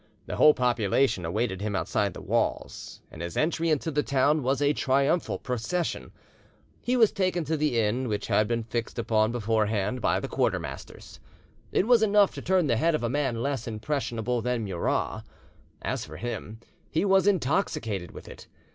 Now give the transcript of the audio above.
The whole population awaited him outside the walls, and his entry into the town was a triumphal procession; he was taken to the inn which had been fixed upon beforehand by the quartermasters. It was enough to turn the head of a man less impressionable than Murat; as for him, he was intoxicated with it.